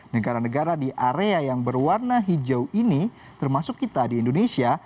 negara negara di area yang berwarna hijau ini termasuk kita di indonesia